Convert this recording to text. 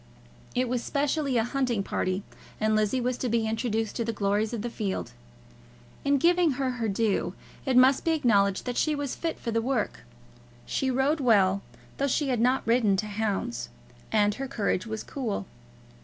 It was specially a hunting party, and Lizzie was to be introduced to the glories of the field. In giving her her due, it must be acknowledged that she was fit for the work. She rode well, though she had not ridden to hounds, and her courage was cool.